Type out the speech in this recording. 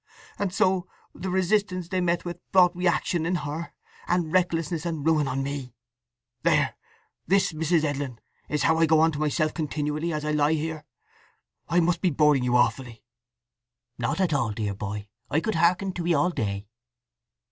And so the resistance they met with brought reaction in her, and recklessness and ruin on me! … There—this, Mrs. Edlin, is how I go on to myself continually, as I lie here. I must be boring you awfully." "Not at all, my dear boy. I could hearken to 'ee all day."